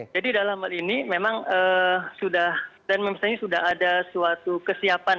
jadi dalam hal ini memang sudah dan mempunyai sudah ada suatu kesiapan